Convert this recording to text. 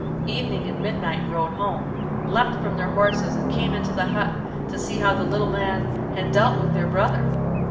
Evening and Midnight rode home, leapt from their horses, and came into the hut to see how the little man had dealt with their brother.